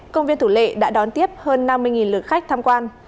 công viên thủ lệ đã đón tiếp hơn năm mươi lượt khách tham quan